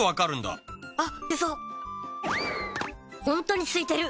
あっ。